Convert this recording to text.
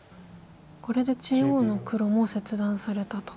これで中央の黒も切断されたと。